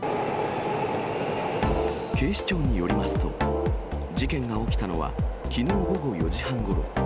警視庁によりますと、事件が起きたのはきのう午後４時半ごろ。